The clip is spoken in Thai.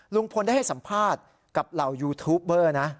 ลุงพลได้ให้สัมภาษณ์กับเหล่ายูทูปเบอร์นะ